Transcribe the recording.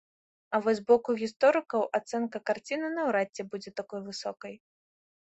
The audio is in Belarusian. А вось з боку гісторыкаў ацэнка карціны наўрад ці будзе такой высокай.